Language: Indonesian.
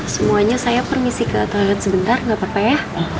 semuanya saya permisi ke toilet sebentar enggak papa ya